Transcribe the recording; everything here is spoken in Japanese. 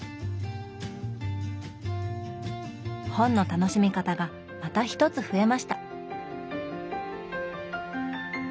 本の楽しみ方がまた一つ増えました。